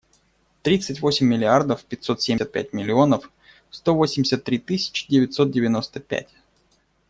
Тридцать восемь миллиардов пятьсот семьдесят пять миллионов сто восемьдесят три тысячи девятьсот девяносто пять.